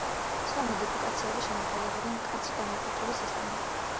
სხვა მოდიფიკაციები შემოიფარგლებოდა მკაცრი დამუხრუჭების სისტემით.